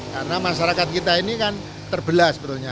karena masyarakat kita ini kan terbelah sebetulnya